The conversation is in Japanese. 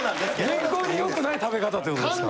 健康に良くない食べ方ということですか。